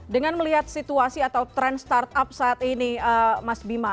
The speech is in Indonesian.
dengan melihat situasi atau tren startup saat ini mas bima